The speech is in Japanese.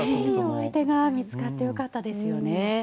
いいお相手が見つかってよかったですね。